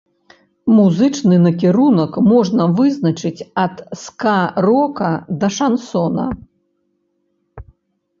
Музычны накірунак можна вызначыць ад ска-рока да шансона.